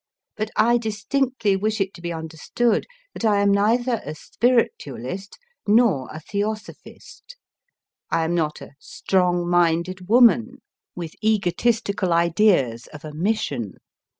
But I distinctly wish it to be understood that I am neither a Spiritualist nor a * Theosophist. I am not a strong minded woman, with egotistical ideas of a mission.